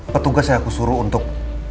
petugas yang aku suruh untuk